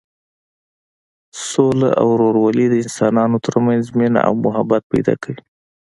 سوله او ورورولي د انسانانو تر منځ مینه او محبت پیدا کوي.